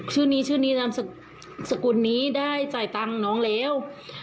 ชื่อนี้ชื่อนี้นามสกุลนี้ได้จ่ายตังค์น้องแล้ว